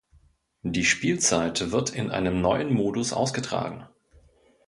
Die Spielzeit wird in einem neuen Modus ausgetragen.